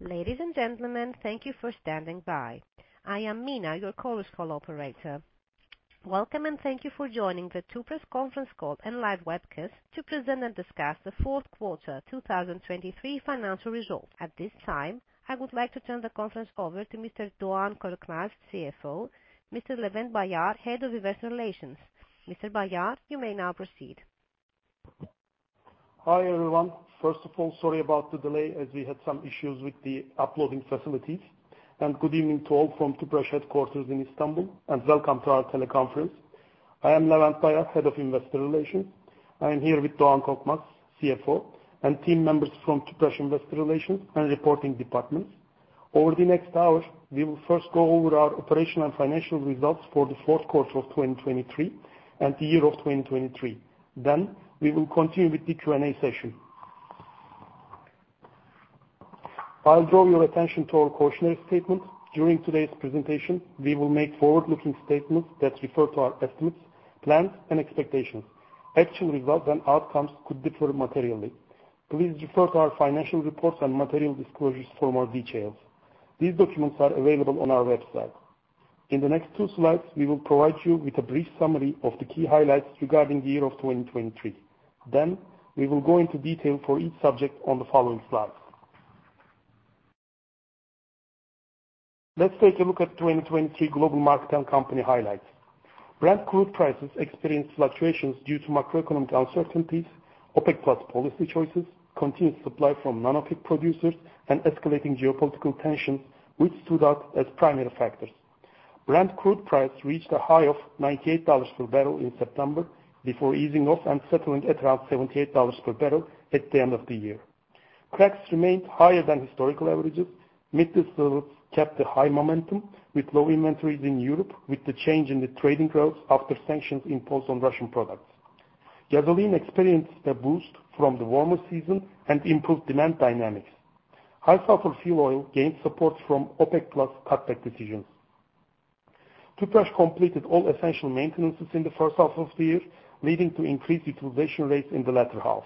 Ladies and gentlemen, thank you for standing by. I am Mina, your call operator. Welcome, and thank you for joining the Tüpraş conference call and live webcast to present and discuss the fourth quarter 2023 financial results. At this time, I would like to turn the conference over to Mr. Doğan Korkmaz, CFO, and Mr. Levent Bayar, Head of Investor Relations. Mr. Bayar, you may now proceed. Hi everyone. First of all, sorry about the delay as we had some issues with the uploading facilities. Good evening to all from Tüpraş headquarters in Istanbul, and welcome to our teleconference. I am Levent Bayar, head of investor relations. I am here with Doğan Korkmaz, CFO, and team members from Tüpraş investor relations and reporting departments. Over the next hour, we will first go over our operational and financial results for the fourth quarter of 2023 and the year of 2023. Then we will continue with the Q&A session. I'll draw your attention to our cautionary statement. During today's presentation, we will make forward-looking statements that refer to our estimates, plans, and expectations. Actual results and outcomes could differ materially. Please refer to our financial reports and material disclosures for more details. These documents are available on our website. In the next two slides, we will provide you with a brief summary of the key highlights regarding the year of 2023. Then we will go into detail for each subject on the following slides. Let's take a look at 2023 global market and company highlights. Brent crude prices experienced fluctuations due to macroeconomic uncertainties, OPEC+ policy choices, continued supply from non-OPEC producers, and escalating geopolitical tensions, which stood out as primary factors. Brent crude price reached a high of $98 per barrel in September before easing off and settling at around $78 per barrel at the end of the year. Cracks remained higher than historical averages. Mid distillates kept the high momentum with low inventories in Europe with the change in the trading routes after sanctions imposed on Russian products. Gasoline experienced a boost from the warmer season and improved demand dynamics. High-sulfur fuel oil gained support from OPEC+ cutback decisions. Tüpraş completed all essential maintenances in the first half of the year, leading to increased utilization rates in the latter half.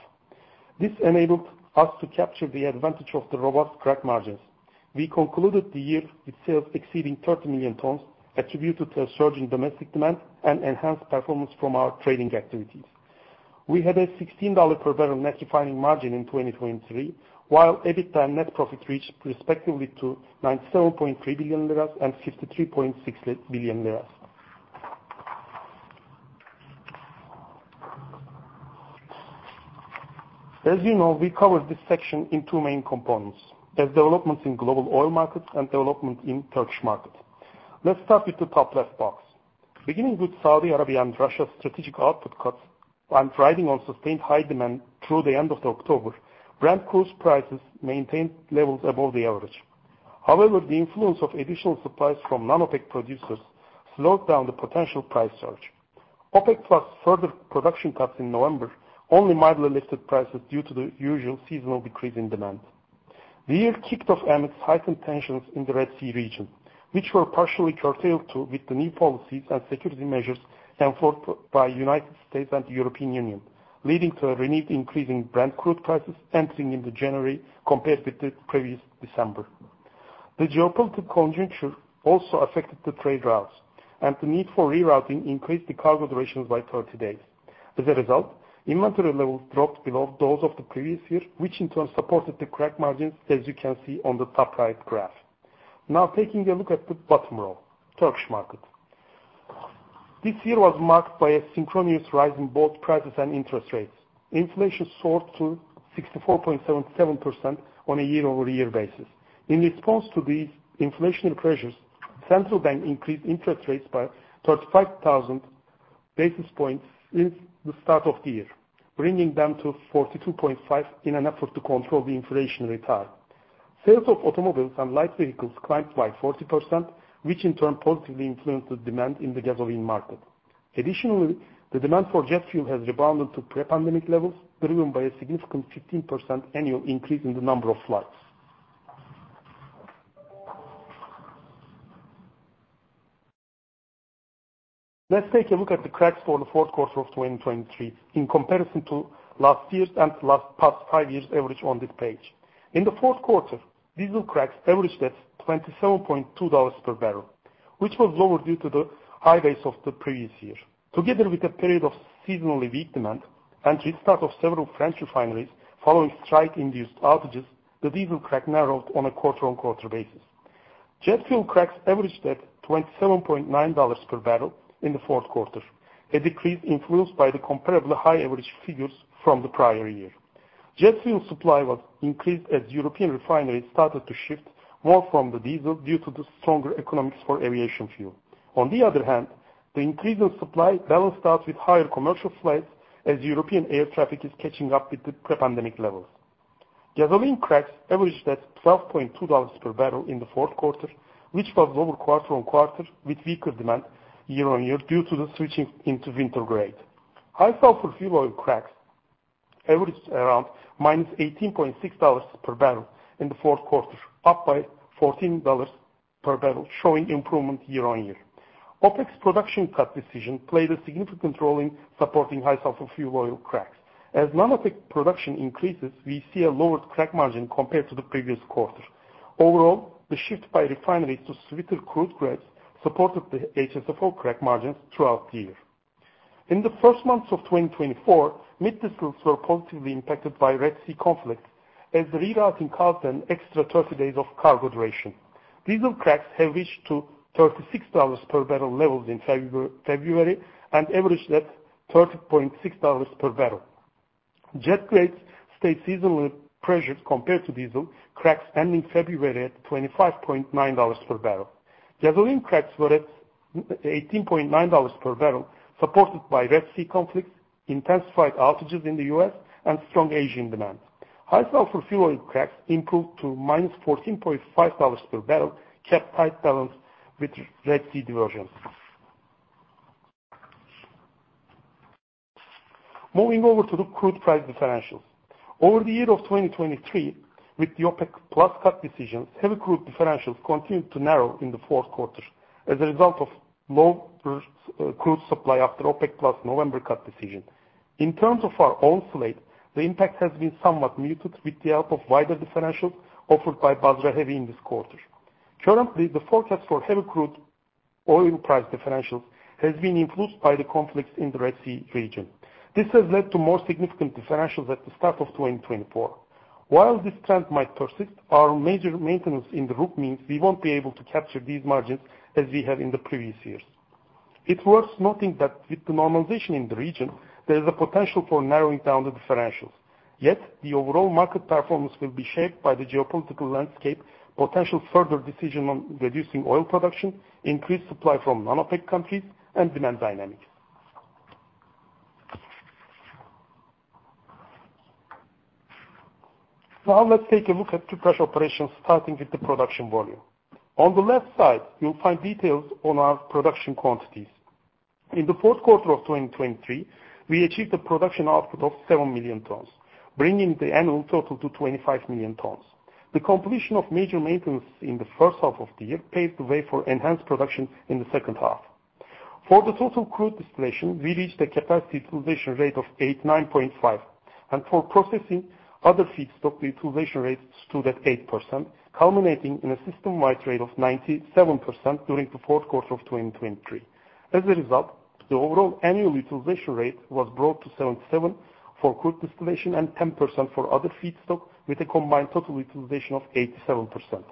This enabled us to capture the advantage of the robust crack margins. We concluded the year with sales exceeding 30 million tons, attributed to a surging domestic demand and enhanced performance from our trading activities. We had a $16 per barrel net refining margin in 2023, while EBITDA and net profit reached respectively to 97.3 billion lira and 53.6 billion lira. As you know, we covered this section in two main components: developments in global oil markets and developments in Turkish markets. Let's start with the top left box. Beginning with Saudi Arabia and Russia's strategic output cuts and riding on sustained high demand through the end of October, Brent crude prices maintained levels above the average. However, the influence of additional supplies from non-OPEC producers slowed down the potential price surge. OPEC+'s further production cuts in November only mildly lifted prices due to the usual seasonal decrease in demand. The year kicked off amidst heightened tensions in the Red Sea region, which were partially curtailed too with the new policies and security measures enforced by the United States and the European Union, leading to a renewed increase in Brent crude prices entering into January compared with the previous December. The geopolitical conjuncture also affected the trade routes, and the need for rerouting increased the cargo durations by 30 days. As a result, inventory levels dropped below those of the previous year, which in turn supported the crack margins, as you can see on the top right graph. Now, taking a look at the bottom row, Turkish markets. This year was marked by a synchronous rise in both prices and interest rates. Inflation soared to 64.77% on a year-over-year basis. In response to these inflationary pressures, the central bank increased interest rates by 35,000 basis points since the start of the year, bringing them to 42.5% in an effort to control the inflationary tide. Sales of automobiles and light vehicles climbed by 40%, which in turn positively influenced the demand in the gasoline market. Additionally, the demand for jet fuel has rebounded to pre-pandemic levels, driven by a significant 15% annual increase in the number of flights. Let's take a look at the cracks for the fourth quarter of 2023 in comparison to last year's and last past five years' average on this page. In the fourth quarter, diesel cracks averaged at $27.2 per barrel, which was lower due to the high rates of the previous year. Together with a period of seasonally weak demand and restart of several French refineries following strike-induced outages, the diesel crack narrowed on a quarter-on-quarter basis. Jet fuel cracks averaged at $27.9 per barrel in the fourth quarter, a decrease influenced by the comparably high average figures from the prior year. Jet fuel supply was increased as European refineries started to shift more from the diesel due to the stronger economics for aviation fuel. On the other hand, the increase in supply balanced out with higher commercial flights as European air traffic is catching up with the pre-pandemic levels. Gasoline cracks averaged at $12.2 per barrel in the fourth quarter, which was lower quarter-on-quarter with weaker demand year-on-year due to the switching into winter grade. High-sulfur fuel oil cracks averaged around -$18.6 per barrel in the fourth quarter, up by $14 per barrel, showing improvement year-on-year. OPEC's production cut decision played a significant role in supporting high-sulfur fuel oil cracks. As non-OPEC production increases, we see a lowered crack margin compared to the previous quarter. Overall, the shift by refineries to sweeter crude grades supported the HSFO crack margins throughout the year. In the first months of 2024, mid distillates were positively impacted by Red Sea conflicts as the rerouting caused an extra 30 days of cargo duration. Diesel cracks have reached to $36 per barrel levels in February and averaged at $30.6 per barrel. Jet grades stayed seasonally pressured compared to diesel, cracks ending February at $25.9 per barrel. Gasoline cracks were at $18.9 per barrel, supported by Red Sea conflicts, intensified outages in the US, and strong Asian demand. High-sulfur fuel oil cracks improved to -$14.5 per barrel, kept tight balance with Red Sea diversions. Moving over to the crude price differentials. Over the year of 2023, with the OPEC+ cut decisions, heavy crude differentials continued to narrow in the fourth quarter as a result of lower crude supply after OPEC+'s November cut decision. In terms of our own slate, the impact has been somewhat muted with the help of wider differentials offered by Basra Heavy in this quarter. Currently, the forecast for heavy crude oil price differentials has been influenced by the conflicts in the Red Sea region. This has led to more significant differentials at the start of 2024. While this trend might persist, our majormaintenance in the RUP means we won't be able to capture these margins as we have in the previous years. It's worth noting that with the normalization in the region, there is a potential for narrowing down the differentials. Yet, the overall market performance will be shaped by the geopolitical landscape, potential further decisions on reducing oil production, increased supply from non-OPEC countries, and demand dynamics. Now, let's take a look at Tüpraş operations, starting with the production volume. On the left side, you'll find details on our production quantities. In the fourth quarter of 2023, we achieved a production output of 7 million tons, bringing the annual total to 25 million tons. The completion of major maintenance in the first half of the year paved the way for enhanced production in the second half. For the total crude distillation, we reached a capacity utilization rate of 89.5%. For processing other feedstock, the utilization rate stood at 8%, culminating in a system-wide rate of 97% during the fourth quarter of 2023. As a result, the overall annual utilization rate was brought to 77% for crude distillation and 10% for other feedstock, with a combined total utilization of 87%.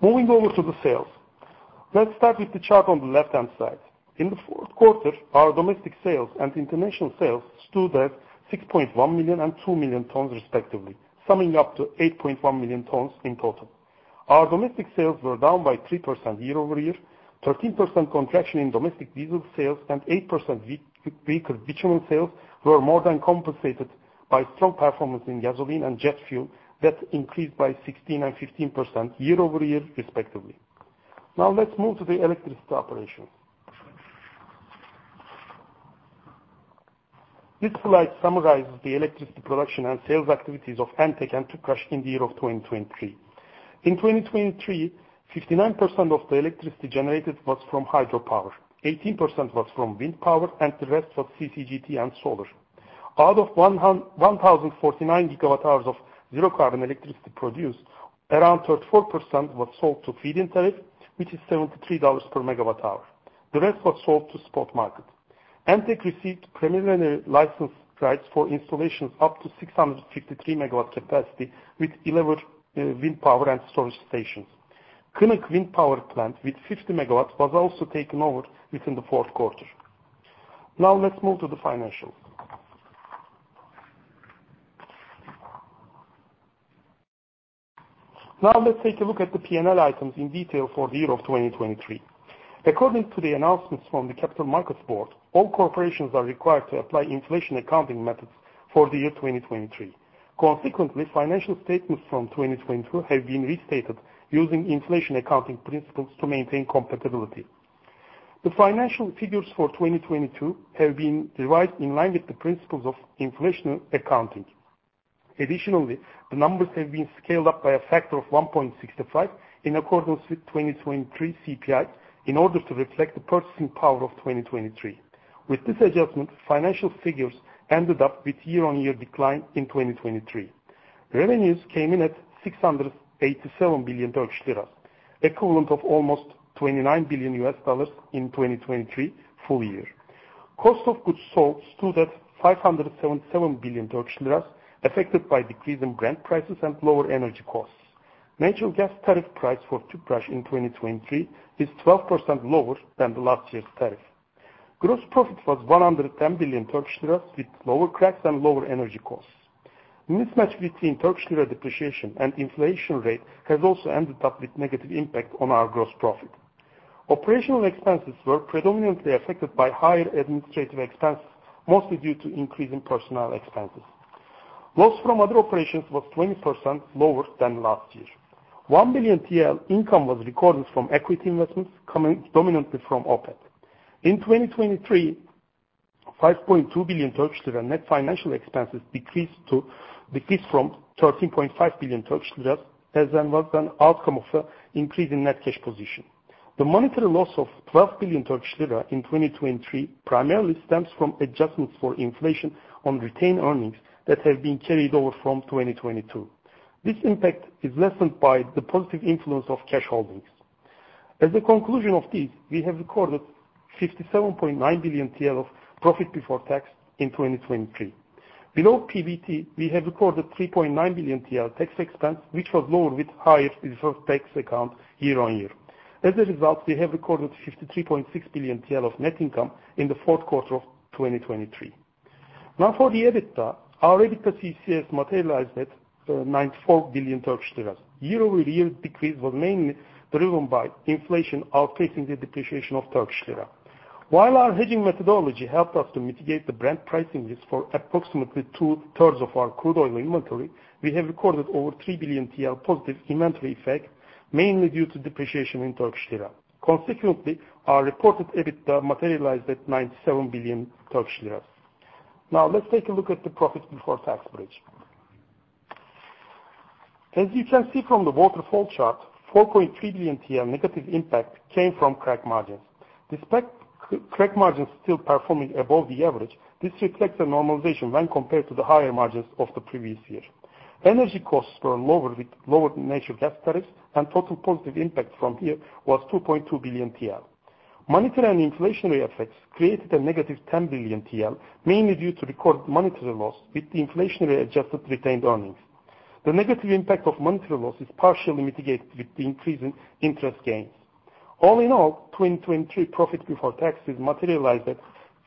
Moving over to the sales. Let's start with the chart on the left-hand side. In the fourth quarter, our domestic sales and international sales stood at 6.1 million and 2 million tons, respectively, summing up to 8.1 million tons in total. Our domestic sales were down by 3% year-over-year. 13% contraction in domestic diesel sales and 8% weaker bitumen sales were more than compensated by strong performance in gasoline and jet fuel that increased by 16% and 15% year-over-year, respectively. Now, let's move to the electricity operations. This slide summarizes the electricity production and sales activities of ENTEK and Tüpraş in the year of 2023. In 2023, 59% of the electricity generated was from hydropower, 18% was from wind power, and the rest was CCGT and solar. Out of 1,049 GWh of zero-carbon electricity produced, around 34% was sold to feed-in tariff, which is $73 per MWh. The rest was sold to spot market. ENTEK received pre-license rights for installations up to 653 MW capacity with 11 wind power and storage stations. Kınık wind power plant with 50 MW was also taken over within the fourth quarter. Now, let's move to the financials. Now, let's take a look at the P&L items in detail for the year of 2023. According to the announcements from the Capital Markets Board, all corporations are required to apply inflation accounting methods for the year 2023. Consequently, financial statements from 2022 have been restated using inflation accounting principles to maintain compatibility. The financial figures for 2022 have been revised in line with the principles of inflation accounting. Additionally, the numbers have been scaled up by a factor of 1.65 in accordance with 2023 CPI in order to reflect the purchasing power of 2023. With this adjustment, financial figures ended up with year-on-year decline in 2023. Revenues came in at 687 billion Turkish lira, equivalent of almost $29 billion in 2023 full year. Cost of goods sold stood at 577 billion Turkish lira, affected by decrease in Brent prices and lower energy costs. Natural gas tariff price for Tüpraş in 2023 is 12% lower than the last year's tariff. Gross profit was 110 billion Turkish lira with lower cracks and lower energy costs. Mismatch between Turkish lira depreciation and inflation rate has also ended up with negative impact on our gross profit. Operational expenses were predominantly affected by higher administrative expenses, mostly due to increase in personnel expenses. Loss from other operations was 20% lower than last year. 1 billion TL income was recorded from equity investments, coming dominantly from OPEC. In 2023, 5.2 billion Turkish lira net financial expenses decreased from 13.5 billion Turkish lira as was an outcome of an increase in net cash position. The monetary loss of 12 billion Turkish lira in 2023 primarily stems from adjustments for inflation on retained earnings that have been carried over from 2022. This impact is lessened by the positive influence of cash holdings. As a conclusion of this, we have recorded 57.9 billion TL of profit before tax in 2023. Below PBT, we have recorded 3.9 billion TL tax expense, which was lower with higher reserve tax account year-on-year. As a result, we have recorded 53.6 billion TL of net income in the fourth quarter of 2023. Now, for the EBITDA, our EBITDA CCS materialized at TRY 94 billion. Year-over-year decrease was mainly driven by inflation outpacing the depreciation of Turkish lira. While our hedging methodology helped us to mitigate the Brent pricing risk for approximately two-thirds of our crude oil inventory, we have recorded over 3 billion TL positive inventory effect, mainly due to depreciation in Turkish lira. Consequently, our reported EBITDA materialized at 97 billion Turkish lira. Now, let's take a look at the profit before tax bridge. As you can see from the waterfall chart, 4.3 billion TL negative impact came from crack margins. Despite crack margins still performing above the average, this reflects a normalization when compared to the higher margins of the previous year. Energy costs were lower with lower natural gas tariffs, and total positive impact from here was 2.2 billion TL. Monetary and inflationary effects created a negative 10 billion TL, mainly due to recorded monetary loss with the inflationary-adjusted retained earnings. The negative impact of monetary loss is partially mitigated with the increase in interest gains. All in all, 2023 profit before taxes materialized at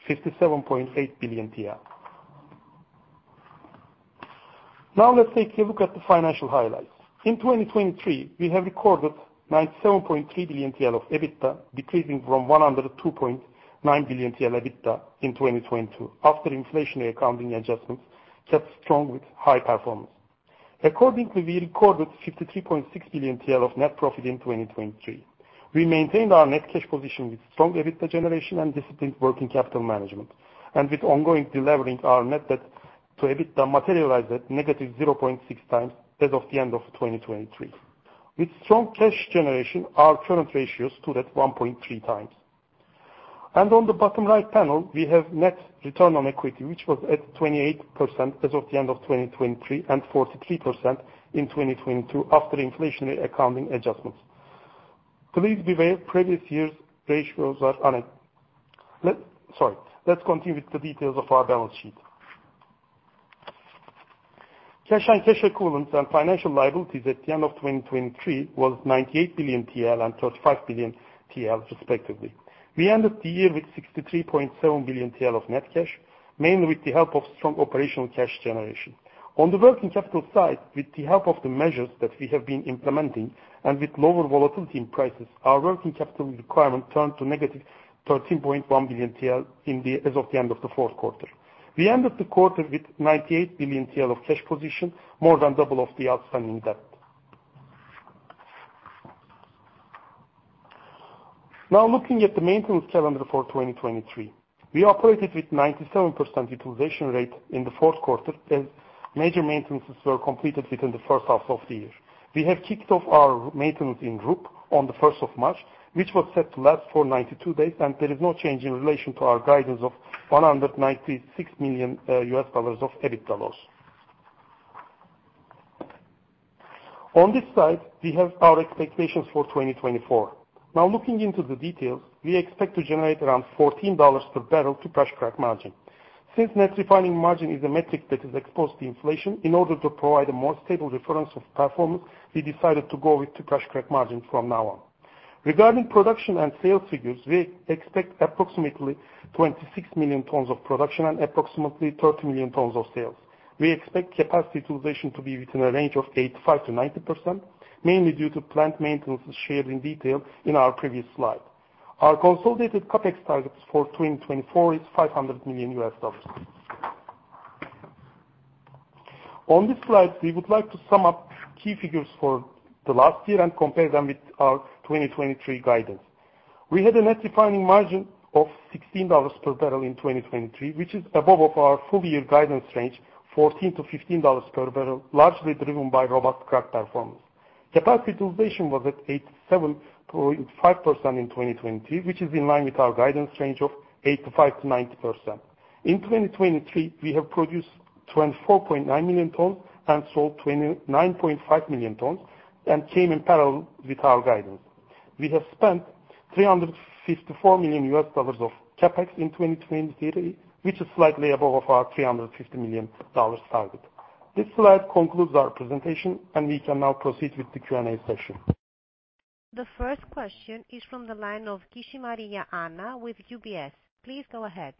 TRY 57.8 billion. Now, let's take a look at the financial highlights. In 2023, we have recorded 97.3 billion TL of EBITDA, decreasing from 102.9 billion TL EBITDA in 2022 after inflationary accounting adjustments kept strong with high performance. Accordingly, we recorded 53.6 billion TL of net profit in 2023. We maintained our net cash position with strong EBITDA generation and disciplined working capital management, and with ongoing delivering, our net debt to EBITDA materialized at negative 0.6 times as of the end of 2023. With strong cash generation, our current ratios stood at 1.3 times. On the bottom right panel, we have net return on equity, which was at 28% as of the end of 2023 and 43% in 2022 after inflationary accounting adjustments. Please be aware, previous year's ratios are unadjusted. Let's continue with the details of our balance sheet. Cash and cash equivalents and financial liabilities at the end of 2023 was 98 billion TL and 35 billion TL, respectively. We ended the year with 63.7 billion TL of net cash, mainly with the help of strong operational cash generation. On the working capital side, with the help of the measures that we have been implementing and with lower volatility in prices, our working capital requirement turned to negative 13.1 billion TL as of the end of the fourth quarter. We ended the quarter with 98 billion TL cash position, more than double of the outstanding debt. Now, looking at the maintenance calendar for 2023, we operated with 97% utilization rate in the fourth quarter as major maintenances were completed within the first half of the year. We have kicked off our maintenance in RUP on the 1st of March, which was set to last for 92 days, and there is no change in relation to our guidance of $196 million EBITDA loss. On this side, we have our expectations for 2024. Now, looking into the details, we expect to generate around $14 per barrel Tüpraş crack margin. Since net refining margin is a metric that is exposed to inflation, in order to provide a more stable reference of performance, we decided to go with Tüpraş crack margin from now on. Regarding production and sales figures, we expect approximately 26 million tons of production and approximately 30 million tons of sales. We expect capacity utilization to be within a range of 85%-90%, mainly due to plant maintenance shared in detail in our previous slide. Our consolidated CAPEX target for 2024 is $500 million. On this slide, we would like to sum up key figures for the last year and compare them with our 2023 guidance. We had a net refining margin of $16 per barrel in 2023, which is above our full-year guidance range, $14-15 per barrel, largely driven by robust crack performance. Capacity utilization was at 87.5% in 2023, which is in line with our guidance range of 85%-90%. In 2023, we have produced 24.9 million tons and sold 29.5 million tons and came in parallel with our guidance. We have spent $354 million of CAPEX in 2023, which is slightly above our $350 million target. This slide concludes our presentation, and we can now proceed with the Q&A session. The first question is from the line of Anna Kishmariya with UBS. Please go ahead.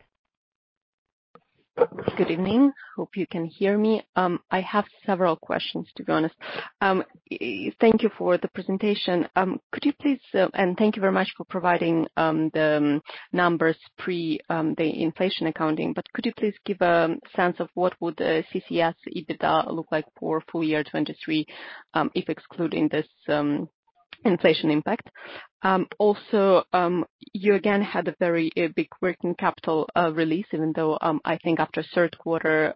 Good evening. Hope you can hear me. I have several questions, to be honest. Thank you for the presentation. Could you please and thank you very much for providing the numbers pre-inflation accounting, but could you please give a sense of what would CCS EBITDA look like for full year 2023 if excluding this inflation impact? Also, you again had a very big working capital release, even though I think after third quarter,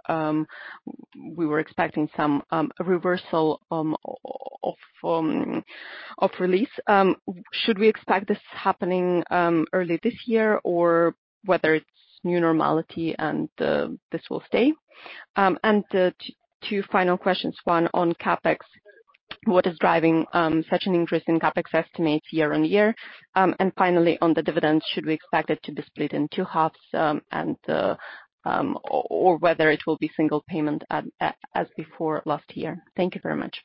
we were expecting some reversal of release. Should we expect this happening early this year or whether it's new normality and this will stay? And two final questions. One, on CAPEX, what is driving such an increase in CAPEX estimates year-on-year? And finally, on the dividends, should we expect it to be split in 2 halves or whether it will be single payment as before last year? Thank you very much.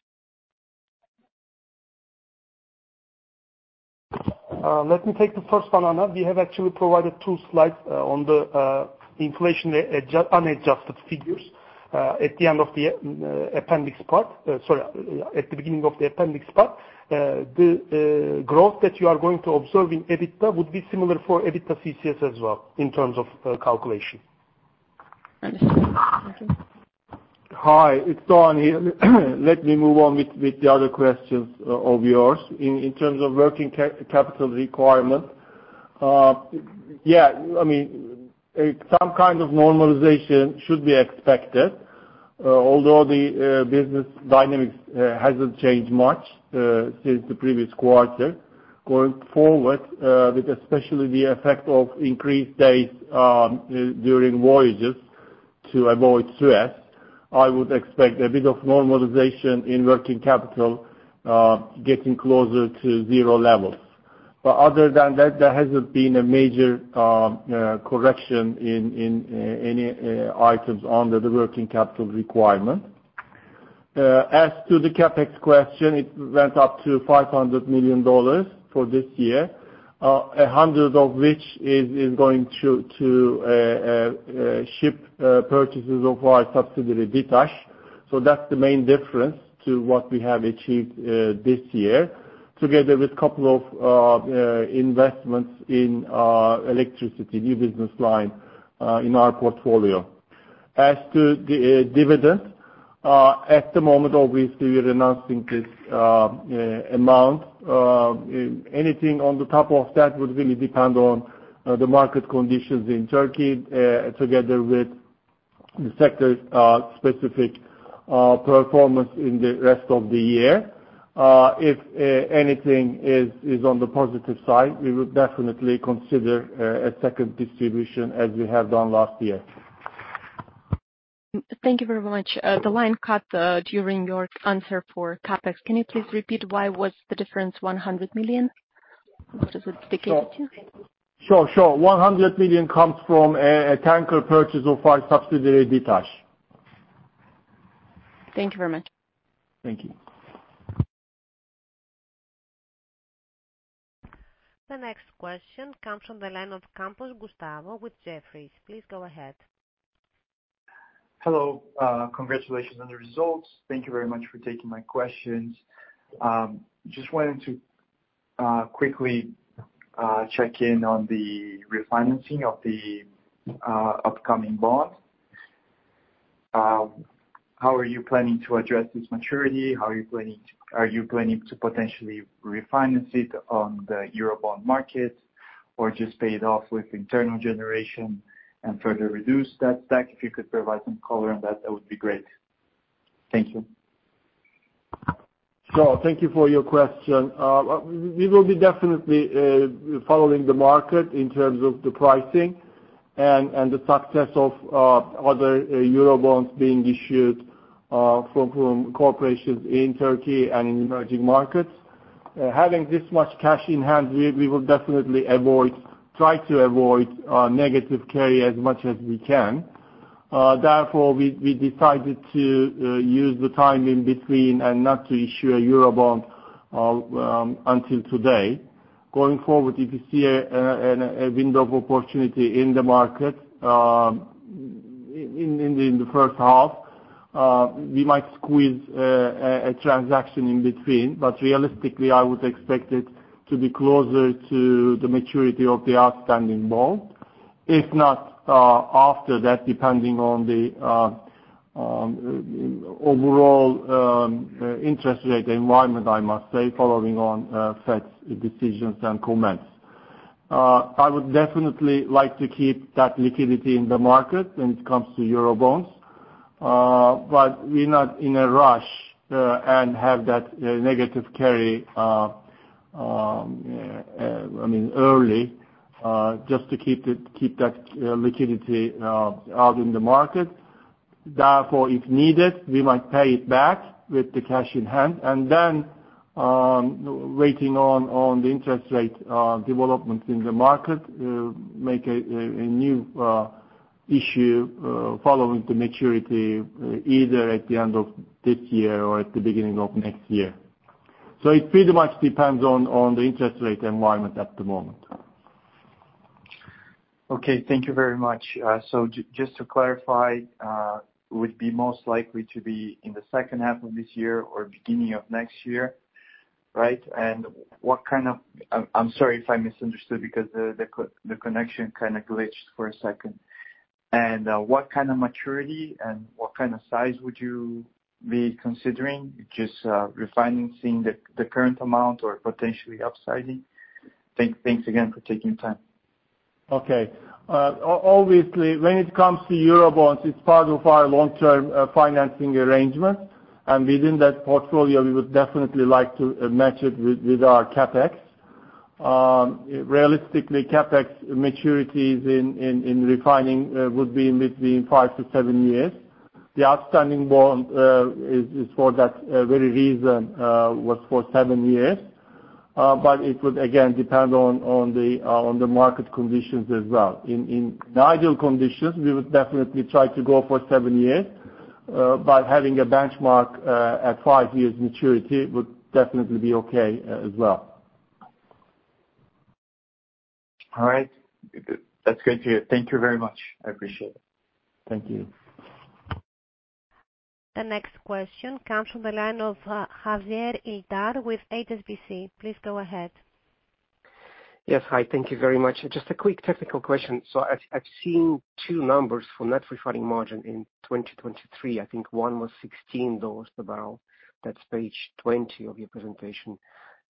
Let me take the first one, Anna. We have actually provided 2 slides on the inflation unadjusted figures at the end of the appendix part sorry, at the beginning of the appendix part. The growth that you are going to observe in EBITDA would be similar for EBITDA CCS as well in terms of calculation. Understood. Thank you. Hi. It's Doğan here. Let me move on with the other questions of yours. In terms of working capital requirement, yeah, I mean, some kind of normalization should be expected, although the business dynamics hasn't changed much since the previous quarter. Going forward, with especially the effect of increased days during voyages to avoid stress, I would expect a bit of normalization in working capital getting closer to zero levels. But other than that, there hasn't been a major correction in any items under the working capital requirement. As to the CAPEX question, it went up to $500 million for this year, 100 of which is going to ship purchases of our subsidiary DİTAŞ. So that's the main difference to what we have achieved this year, together with a couple of investments in electricity, new business line in our portfolio. As to dividends, at the moment, obviously, we're announcing this amount. Anything on the top of that would really depend on the market conditions in Turkey, together with the sector-specific performance in the rest of the year. If anything is on the positive side, we would definitely consider a second distribution as we have done last year. Thank you very much. The line cut during your answer for CapEx. Can you please repeat why was the difference $100 million? What does it indicate to you? Sure. Sure. Sure. $100 million comes from a tanker purchase of our subsidiary DİTAŞ. Thank you very much. Thank you. The next question comes from the line of Gustavo Campos with Jefferies. Please go ahead. Hello. Congratulations on the results. Thank you very much for taking my questions. Just wanted to quickly check in on the refinancing of the upcoming bond. How are you planning to address this maturity? How are you planning to are you planning to potentially refinance it on the Eurobond market or just pay it off with internal generation and further reduce that stack? If you could provide some color on that, that would be great. Thank you. Sure. Thank you for your question. We will be definitely following the market in terms of the pricing and the success of other Eurobonds being issued from corporations in Turkey and in emerging markets. Having this much cash in hand, we will definitely try to avoid negative carry as much as we can. Therefore, we decided to use the time in between and not to issue a Eurobond until today. Going forward, if you see a window of opportunity in the market in the first half, we might squeeze a transaction in between. But realistically, I would expect it to be closer to the maturity of the outstanding bond, if not after that, depending on the overall interest rate environment, I must say, following on Fed's decisions and comments. I would definitely like to keep that liquidity in the market when it comes to Eurobonds, but we're not in a rush and have that negative carry, I mean, early just to keep that liquidity out in the market. Therefore, if needed, we might pay it back with the cash in hand and then, waiting on the interest rate developments in the market, make a new issue following the maturity either at the end of this year or at the beginning of next year. So it pretty much depends on the interest rate environment at the moment. Okay. Thank you very much. So just to clarify, it would be most likely to be in the second half of this year or beginning of next year, right? And what kind of? I'm sorry if I misunderstood because the connection kind of glitched for a second. And what kind of maturity and what kind of size would you be considering, just refinancing the current amount or potentially upsizing? Thanks again for taking time. Okay. Obviously, when it comes to eurobonds, it's part of our long-term financing arrangement. And within that portfolio, we would definitely like to match it with our CAPEX. Realistically, CAPEX maturities in refining would be between five to seven years. The outstanding bond is for that very reason, was for seven years. But it would, again, depend on the market conditions as well. In ideal conditions, we would definitely try to go for seven years, but having a benchmark at five years maturity would definitely be okay as well. All right. That's great to hear. Thank you very much. I appreciate it. Thank you. The next question comes from the line of Ildar Khaziev with HSBC. Please go ahead. Yes. Hi. Thank you very much. Just a quick technical question. So I've seen two numbers for net refining margin in 2023. I think one was $16 per barrel. That's page 20 of your presentation.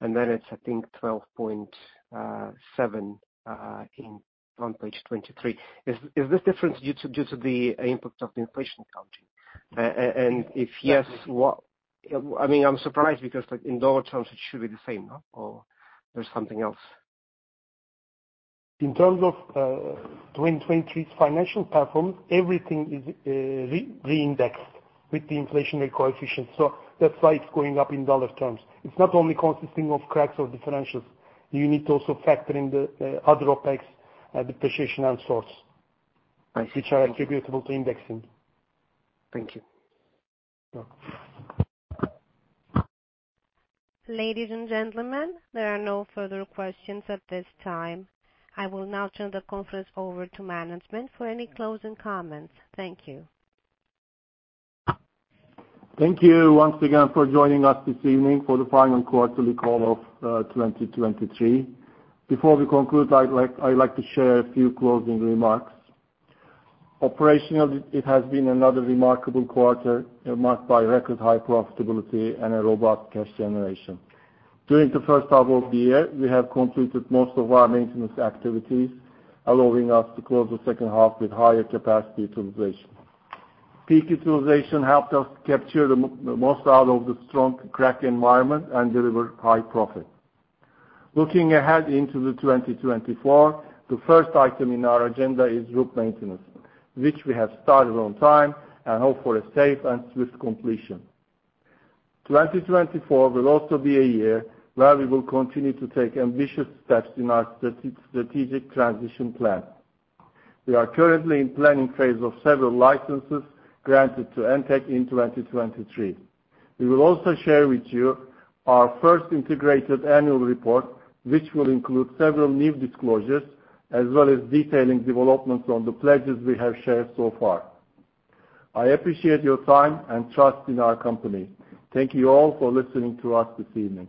And then it's, I think, 12.7 on page 23. Is this difference due to the impact of the inflation accounting? And if yes, what I mean, I'm surprised because in dollar terms, it should be the same, no? Or there's something else? In terms of 2023's financial performance, everything is reindexed with the inflationary coefficient. So that's why it's going up in dollar terms. It's not only consisting of cracks or differentials. You need to also factor in the other OPEX, depreciation, and costs, which are attributable to indexing. Thank you. Ladies and gentlemen, there are no further questions at this time. I will now turn the conference over to management for any closing comments. Thank you. Thank you once again for joining us this evening for the final quarterly call of 2023. Before we conclude, I'd like to share a few closing remarks. Operationally, it has been another remarkable quarter marked by record high profitability and a robust cash generation. During the first half of the year, we have completed most of our maintenance activities, allowing us to close the second half with higher capacity utilization. Peak utilization helped us capture the most out of the strong crack environment and deliver high profit. Looking ahead into 2024, the first item in our agenda is routine maintenance, which we have started on time and hope for a safe and swift completion. 2024 will also be a year where we will continue to take ambitious steps in our strategic transition plan. We are currently in planning phase of several licenses granted to ENTEK in 2023. We will also share with you our first integrated annual report, which will include several new disclosures as well as detailing developments on the pledges we have shared so far. I appreciate your time and trust in our company. Thank you all for listening to us this evening.